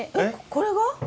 これが？